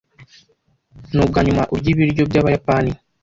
Nubwanyuma urya ibiryo byabayapani?